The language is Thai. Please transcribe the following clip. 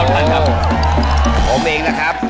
ผมเองนะครับ